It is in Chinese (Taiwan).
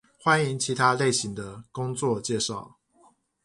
歡迎其他類型的工作介紹